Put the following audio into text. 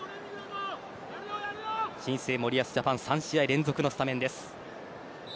新生森保ジャパン３試合連続のスタメンです。